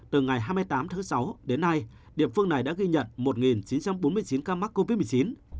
từ ngày hai mươi tám tháng sáu đến nay địa phương này đã ghi nhận một chín trăm bốn mươi chín ca mắc covid một mươi chín